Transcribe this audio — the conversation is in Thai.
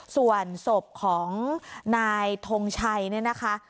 ส่วนศพของนายทงชัยเนี่ยนะคะ